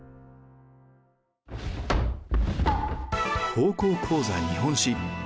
「高校講座日本史」。